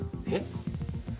えっ？